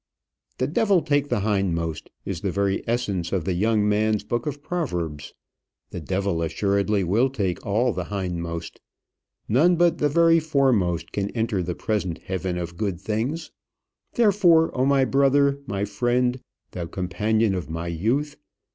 "The devil take the hindmost" is the very essence of the young man's book of proverbs. The devil assuredly will take all the hindmost. None but the very foremost can enter the present heaven of good things. Therefore, oh my brother, my friend, thou companion of my youth!